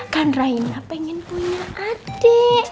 kan raina pengen punya adik